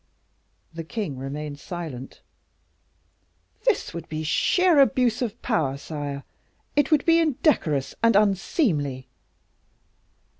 The king remained silent. "This would be a sheer abuse of power, sire; it would be indecorous and unseemly."